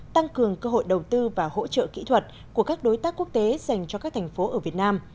tăng cường cơ hội đầu tư và hỗ trợ kỹ thuật của các đối tác quốc tế dành cho các thành phố ở việt nam